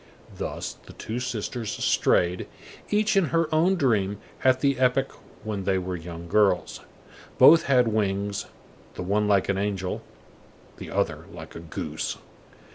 Thus the two sisters strayed, each in her own dream, at the epoch when they were young girls. Both had wings, the one like an angel, the other like a goose.